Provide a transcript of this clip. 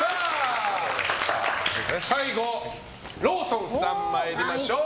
最後、ローソンさん参りましょう。